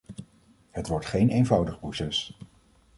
Het wordt geen eenvoudig proces.